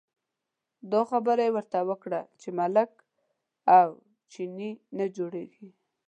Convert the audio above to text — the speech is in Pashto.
دا خبره یې ورته وکړه چې ملک او چینی نه جوړېږي.